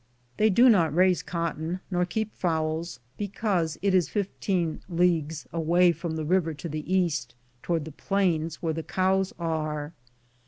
They do not raise cotton nor keep fowls, because it is 15 leagues away from the river to the east, toward the plains where the cows are.